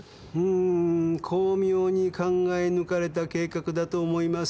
んー巧妙に考え抜かれた計画だと思います。